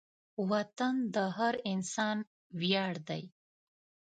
وطن د هر انسان ویاړ دی.